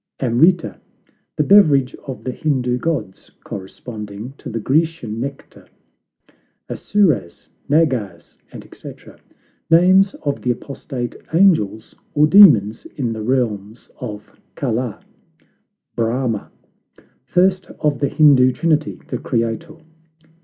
AMRITA The beverage of the Hindoo gods, corresponding to the Grecian nectar. ASSOURAS, NAGAS, &c. Names of the apostate angels, or demons in the realms of Kala. BRAHMA First of the Hindoo trinity; the Creator.